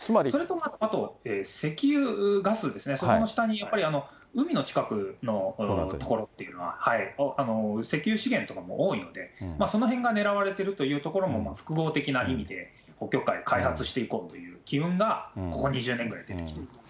それとあと、石油ガスですね、その下にやっぱり海の近くの所っていうのは、石油資源っていうのも多いので、そのへんが狙われているというところも複合的な意味で、北極海開発していこうという機運がここ２０年ぐらい出てきている。